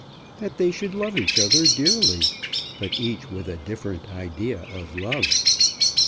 That they should love each other dearly; but each with a different idea of love!